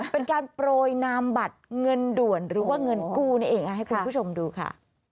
เป็นการโปรยนามบัตรเงินด่วนหรือว่าเงินกู้นี่เองให้คุณผู้ชมดูค่ะ